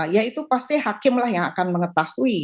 yaitu pasti hakim lah yang akan mengetahui